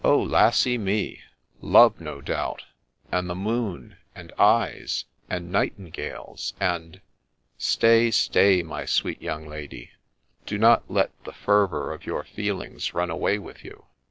O, lassy me ! love, no doubt, and the moon, and eyes, and nightingales, and ' Stay, stay, my sweet young lady ; do not let the fervour of your feelings run away with you